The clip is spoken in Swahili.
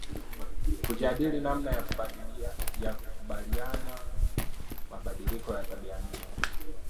kujadili namna ya kukabiliana mabadiliko ya tabia nchi